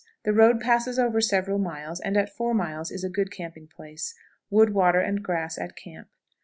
The road passes over several hills, and at four miles is a good camping place. Wood, water, and grass at camp.